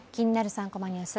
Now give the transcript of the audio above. ３コマニュース」